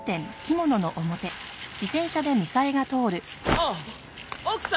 あっ奥様？